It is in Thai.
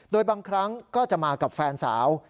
โดยบางครั้งก็จะมากับแฟนสาว